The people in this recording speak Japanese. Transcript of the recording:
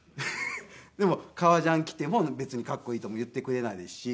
でも革ジャン着ても別にかっこいいとも言ってくれないですし。